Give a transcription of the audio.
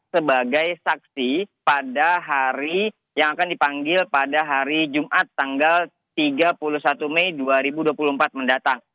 sebagai saksi pada hari yang akan dipanggil pada hari jumat tanggal tiga puluh satu mei dua ribu dua puluh empat mendatang